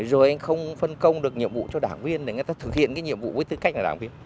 rồi anh không phân công được nhiệm vụ cho đảng viên để người ta thực hiện cái nhiệm vụ với tư cách là đảng viên